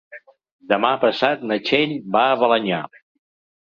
Demà passat na Txell va a Balenyà.